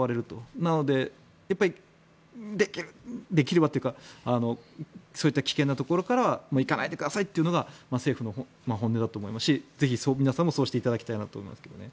なので、できればというかそういった危険なところからは行かないでくださいというのが政府の本音だと思いますしぜひ、皆さんもそうしていただきたいなと思いますけどね。